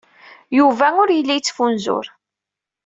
Yuba ur yelli yettfunzur.